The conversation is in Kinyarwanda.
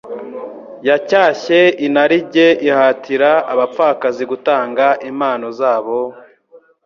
Yacyashye inarijye ihatira abapfakazi gutanga impano zabo,